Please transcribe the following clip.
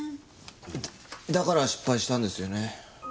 だから失敗したんですよね。